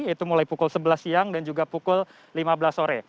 yaitu mulai pukul sebelas siang dan juga pukul lima belas sore